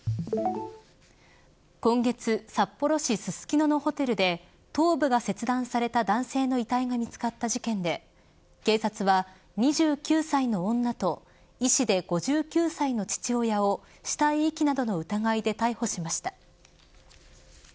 今月、札幌市ススキノのホテルで頭部が切断された男性の遺体が見つかった事件で警察は、２９歳の女と医師で５９歳の父親を死体遺棄などの疑いで逮捕しました。